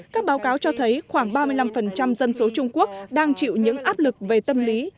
các báo cáo cho thấy khoảng ba mươi năm dân số trung quốc đang chịu những áp lực về tâm lý